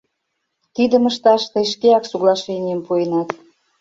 Тидым ышташ тый шкеак соглашенийым пуэнат.